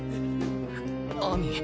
亜美